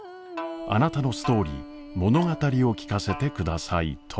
あなたのストーリー物語を聞かせてくださいと。